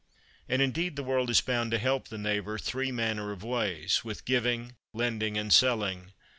And indeed the world is bound to help the neighbour three manner of ways—with giving, lending, and selling.